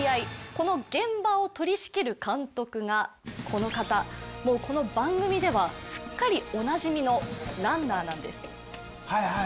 この現場を取り仕切る監督がこの方もうこの番組ではすっかりおなじみのランナーなんですはいはい